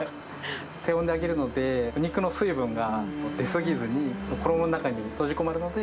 低温で揚げるので、肉の水分が出過ぎずに、衣の中に閉じ込めるので。